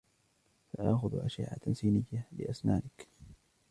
سأخذ أشعة سينية لأسنانك.